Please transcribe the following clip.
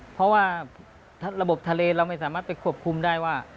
เพราะว่าระบบทะเลเราไม่สามารถไปควบคุมได้ว่า